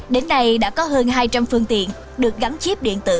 đến nay đã có hơn hai trăm linh phương tiện được gắn chip điện tử